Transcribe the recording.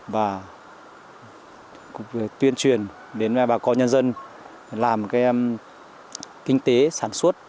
và cũng tuyên truyền đến bà con nhân dân làm cái kinh tế sản xuất